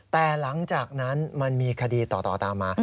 แต่หลังจากนั้นมันมีคดีต่อตามมา